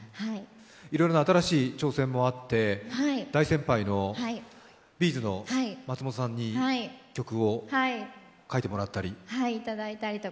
いろいろな新しい挑戦もあって、大先輩のＢ’ｚの松本さんに曲を書いてもらったり。